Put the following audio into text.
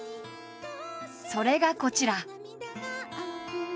それがこちら。